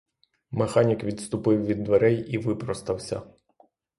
Механік відступив від дверей і випростався.